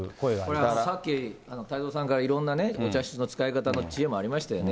これはさっき、太蔵さんからいろんなね、お茶室の使い方の知恵もありましたよね。